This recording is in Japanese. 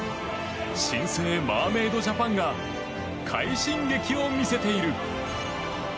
新生マーメイドジャパンが快進撃を見せている。